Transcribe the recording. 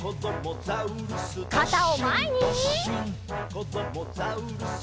「こどもザウルス